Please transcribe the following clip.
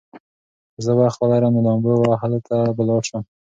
که زه وخت ولرم، نو لامبو وهلو ته به لاړ شم.